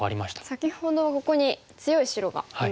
先ほどはここに強い白がいましたもんね。